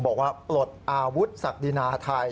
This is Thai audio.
บอกว่าปลดอาวุธศักดินาไทย